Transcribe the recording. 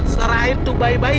serahin tuh bayi bayi